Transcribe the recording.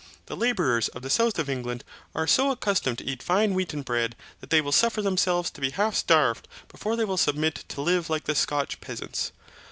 The labourers of the South of England are so accustomed to eat fine wheaten bread that they will suffer themselves to be half starved before they will submit to live like the Scotch peasants.